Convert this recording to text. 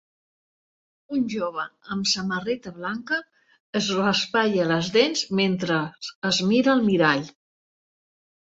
Un jove amb samarreta blanca es raspalla les dents mentre es mira al mirall.